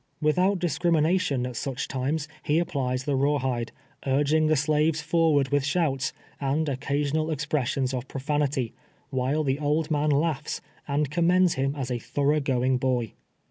Without discrimination, i^t such times, he applies the rawhide, urging the slaves forward with shouts, and occasional expressions of profanity, while the old man laughs, and commends him as a thorough going boy.